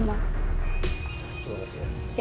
terima kasih ya